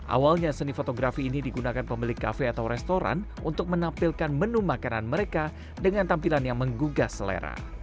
awalnya seni fotografi ini digunakan pemilik kafe atau restoran untuk menampilkan menu makanan mereka dengan tampilan yang menggugah selera